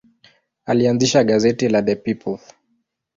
Alianzisha gazeti la The People.